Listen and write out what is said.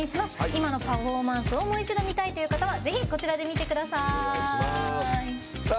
今のパフォーマンスをもう一度見たいという方はぜひ、こちらで見てください。